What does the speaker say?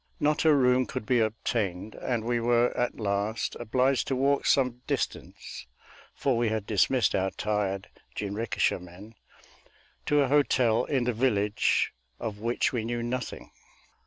Not a room could be obtained, and we were at last obliged to walk some distance, for we had dismissed our tired jinrikisha men, to a hotel in the village, of which we knew nothing.